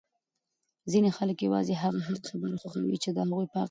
ځینی خلک یوازی هغه حق خبره خوښوي چې د ده په حق کي وی!